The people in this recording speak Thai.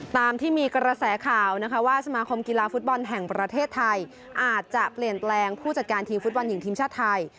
ตามที่มีกระแสข่าวนะคะว่าสมาคมกีฬาฟุตบอลแห่งประเทศไทยอาจจะเปลี่ยนแปลงผู้จัดการทีมฟุตบอลหญิงทีมชาติไทย